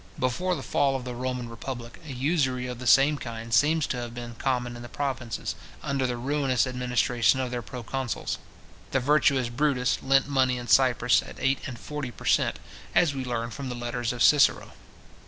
Before the fall of the Roman republic, a usury of the same kind seems to have been common in the provinces, under the ruinous administration of their proconsuls. The virtuous Brutus lent money in Cyprus at eight and forty per cent. as we learn from the letters of Cicero.